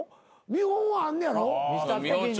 見本はあんねやろ？